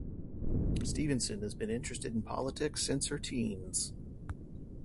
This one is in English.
Stevenson has been interested in politics since her teens.